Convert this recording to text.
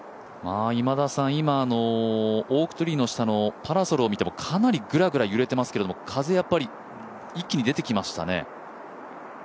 今、オークツリーの下のパラソルを見ても、かなりぐらぐら揺れていますけど、風が一気に出てきましたね。